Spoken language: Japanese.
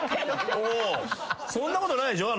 そんなことないでしょ？